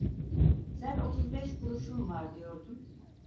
Sen otuz beş kuruşum var, diyordun!